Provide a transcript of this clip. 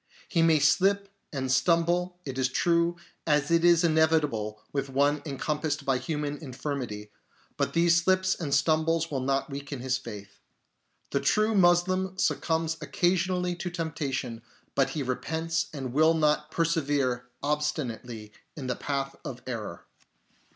He may slip and stumble, it is true, as is inevitable with one encompassed by human infirmity, but these slips and stumbles will not weaken his faith. The true Moslem succumbs occasionally to temptation, but he repents and will not persevere obstinately in the path of error.